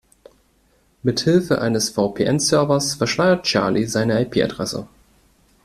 Mithilfe eines VPN-Servers verschleiert Charlie seine IP-Adresse.